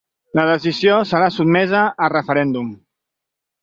La decisió serà sotmesa a referèndum.